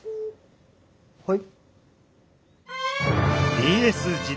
はい？